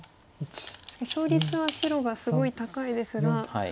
勝率は白がすごい高いですが。